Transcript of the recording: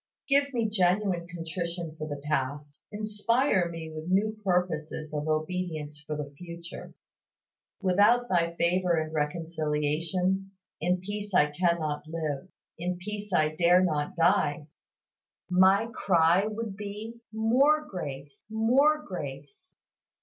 Give me genuine contrition for the past, inspire me with new purposes of obedience for the future. Without Thy favor and reconciliation, in peace I cannot live, in peace I dare not die! My cry would be, "More grace, more grace!"